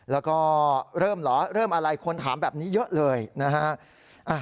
แล้วก็เริ่มเหรอเริ่มอะไรคนถามแบบนี้เยอะเลยนะฮะ